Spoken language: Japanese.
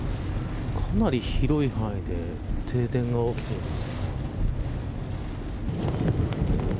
かなり広い範囲で停電が起きています。